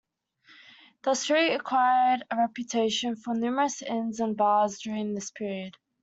The street acquired a reputation for numerous inns and bars during this period.